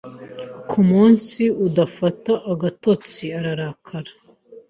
Ku munsi adafata agatotsi, ararakara.